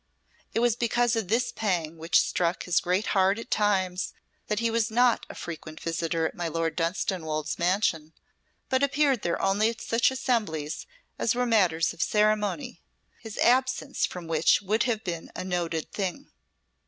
It was because of this pang which struck his great heart at times that he was not a frequent visitor at my Lord Dunstanwolde's mansion, but appeared there only at such assemblies as were matters of ceremony, his absence from which would have been a noted thing.